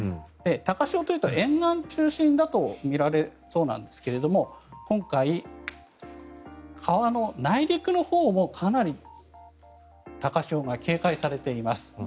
高潮というと沿岸中心だとみられそうなんですが今回、川の内陸のほうもかなり高潮が警戒されています。